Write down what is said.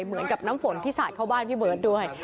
เหมือนกับน้ำฝนที่สาดเข้าบ้านพี่เบิร์ตด้วย